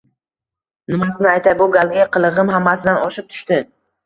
Nimasini aytay, bu galgi qilig‘im hammasidan oshib tushdi